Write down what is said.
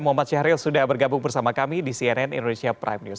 muhammad syahril sudah bergabung bersama kami di cnn indonesia prime news